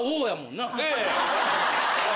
ええ。